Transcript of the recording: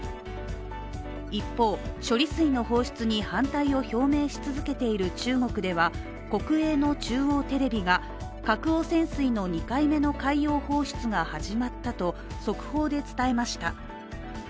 一方、処理水の放出に反対を表明し続けている中国では国営の中央テレビが核汚染水の２回目の海洋放出が始まったと速報で伝えました。